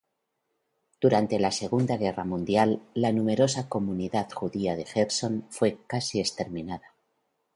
Durante la segunda guerra mundial la numerosa comunidad judía de Jersón fue casi exterminada.